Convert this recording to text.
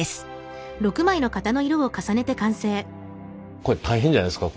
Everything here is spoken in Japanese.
これ大変じゃないですか？